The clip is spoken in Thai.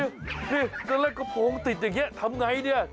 นี่ก็เล่นกระโปรงติดอย่างนี้ทำไงเนี่ย